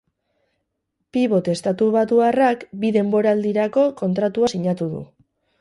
Pibot estatubatuarrak bi denboraldirako kontratua sinatu du.